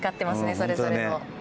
それぞれの。